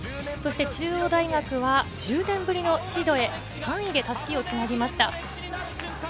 中央大学は１０年ぶりのシードへ、３位で襷をつなぎました。